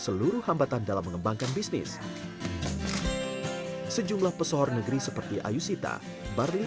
seluruh hambatan dalam mengembangkan bisnis sejumlah pesohor negeri seperti ayusita barli